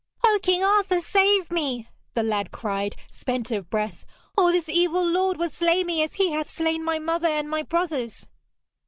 'O King Arthur, save me!' the lad cried, spent of breath, 'or this evil lord will slay me as he hath slain my mother and my brothers.'